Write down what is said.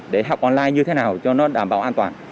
để học online như thế nào cho nó đảm bảo an toàn